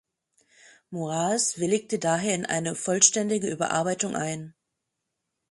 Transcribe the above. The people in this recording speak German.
Moraes willigte daher in eine vollständige Überarbeitung ein.